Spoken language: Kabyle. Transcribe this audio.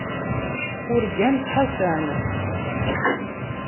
Urgant Ḥasan.